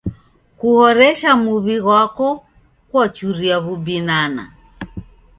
Kuhoresha muw'i ghwako kwachuria w'ubinana.